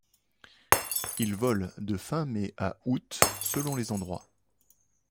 Il vole de fin mai à août selon les endroits.